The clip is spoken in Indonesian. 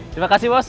terima kasih bos